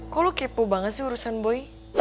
kok lo kepo banget sih urusan boy